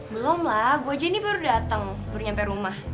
belum lah goje ini baru datang baru nyampe rumah